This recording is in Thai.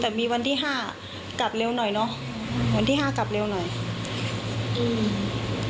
แต่มีวันที่ห้ากลับเร็วหน่อยเนอะวันที่ห้ากลับเร็วหน่อยอืม